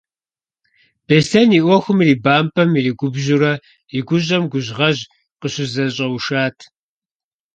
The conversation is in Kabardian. Беслъэн а ӏуэхум ирибампӀэм, иригубжьурэ, и гущӀэм гужьгъэжь къыщызэщӀэушат.